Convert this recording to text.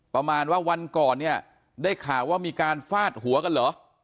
ประมาณว่าวันก่อนเนี่ยได้ข่าวว่ามีการฟาดหัวกันเหรอ